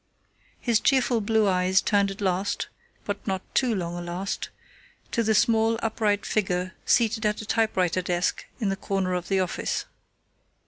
His cheerful blue eyes turned at last but not too long a last to the small, upright figure seated at a typewriter desk in the corner of the office.